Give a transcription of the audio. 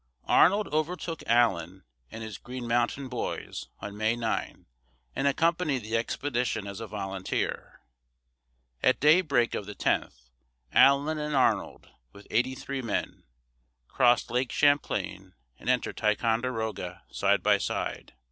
Arnold overtook Allen and his "Green Mountain Boys" on May 9, and accompanied the expedition as a volunteer. At daybreak of the 10th, Allen and Arnold, with eighty three men, crossed Lake Champlain and entered Ticonderoga side by side.